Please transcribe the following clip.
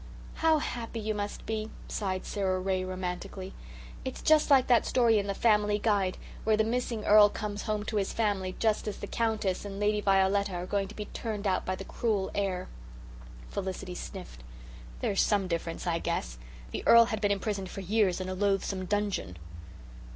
"How happy you must be," sighed Sara Ray romantically. "It's just like that story in the Family Guide, where the missing earl comes home to his family just as the Countess and Lady Violetta are going to be turned out by the cruel heir." Felicity sniffed. "There's some difference, I guess. The earl had been imprisoned for years in a loathsome dungeon."